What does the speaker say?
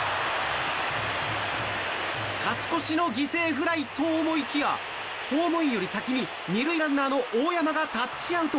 勝ち越しの犠牲フライと思いきやホームインより先に２塁ランナーの大山がタッチアウト。